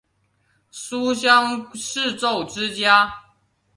书香世胄之家。